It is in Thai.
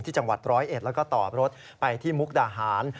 จังหวัดร้อยเอ็ดแล้วก็ต่อรถไปที่มุกดาหาร